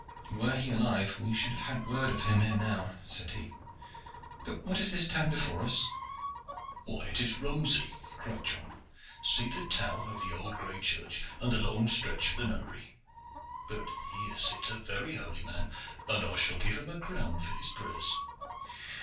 "Were he alive we should have had word of him ere now," said he. "But what is this town before us?" "Why, it is Romsey!" cried John. "See the tower of the old gray church, and the long stretch of the nunnery. But here sits a very holy man, and I shall give him a crown for his prayers."